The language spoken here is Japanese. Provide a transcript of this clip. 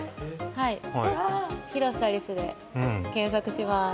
広瀬アリスで検索します。